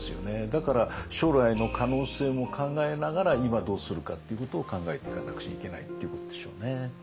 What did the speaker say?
だから将来の可能性も考えながら今どうするかっていうことを考えていかなくちゃいけないっていうことでしょうね。